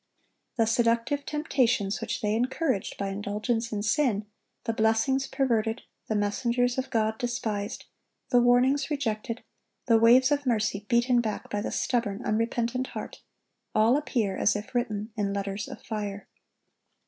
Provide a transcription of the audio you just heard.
The seductive temptations which they encouraged by indulgence in sin, the blessings perverted, the messengers of God despised, the warnings rejected, the waves of mercy beaten back by the stubborn, unrepentant heart,—all appear as if written in letters of fire.